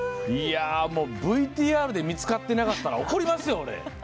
ＶＴＲで見つかってなかったら怒りますよ、俺。